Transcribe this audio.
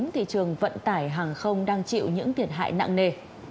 thị trường vận tải hàng không đang chịu những thiệt hại nặng nề